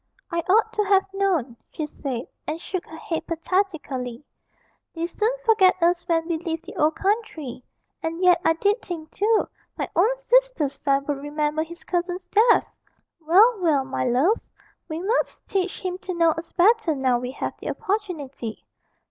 'I ought to have known,' she said, and shook her head pathetically; 'they soon forget us when we leave the old country and yet I did think, too, my own sister's son would remember his cousin's death! Well, well, my loves, we must teach him to know us better now we have the opportunity.